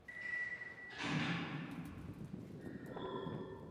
Jsou umístěny za bočním oltářem a jsou nepřístupné.